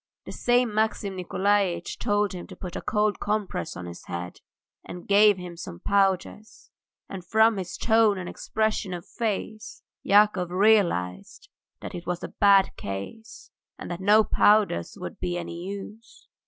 The same Maxim Nikolaitch told him to put a cold compress on his head, and gave him some powders, and from his tone and expression of face Yakov realized that it was a bad case and that no powders would be any use.